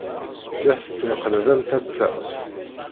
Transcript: La tettneqlab am tata.